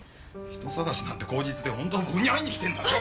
人捜しなんて口実でほんとは僕に会いに来てんだろ？